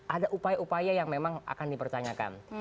ada upaya upaya yang memang akan dipertanyakan